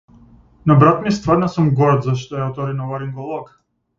На брат ми стварно сум горд зашто е оториноларинголог.